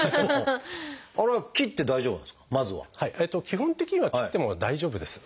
基本的には切っても大丈夫です。